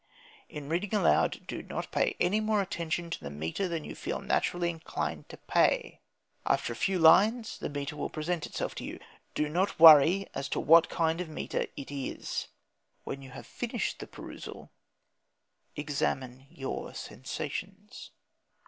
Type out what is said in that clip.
In reading aloud do not pay any more attention to the metre than you feel naturally inclined to pay. After a few lines the metre will present itself to you. Do not worry as to what kind of metre it is. When you have finished the perusal, examine your sensations....